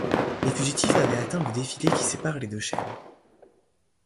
Les fugitifs avaient atteint le défilé qui sépare les deux chaînes.